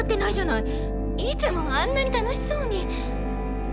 いつもあんなに楽しそうに。